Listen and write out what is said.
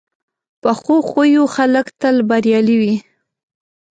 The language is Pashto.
پخو خویو خلک تل بریالي وي